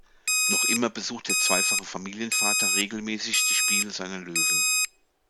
Noch immer besucht der zweifache Familienvater regelmäßig die Spiele seiner Löwen.